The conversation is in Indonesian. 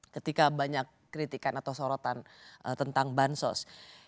ketika banyak kritikan atau sorotan tentang bansos